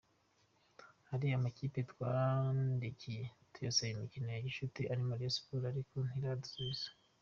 Hari amakipe twandikiye tuyasaba imikino ya gicuti arimo Rayon Sports ariko ntiradusubiza.